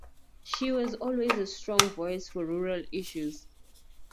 She was always a strong voice for rural issues.